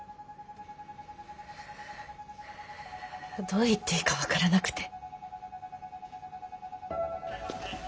どう言っていいか分からなくて。